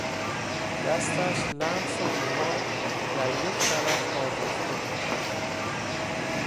دستش لمس و بیحال در یک طرف آویخته بود.